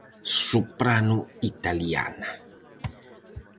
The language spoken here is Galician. Soprano italiana.